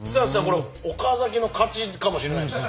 これ岡崎の勝ちかもしれないです。